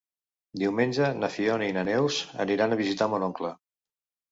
Diumenge na Fiona i na Neus aniran a visitar mon oncle.